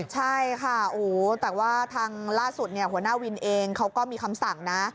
ใช่ค่ะแต่ว่าทางล่าสุดหัวหน้าวินเองเขาก็มีคำสั่งนะ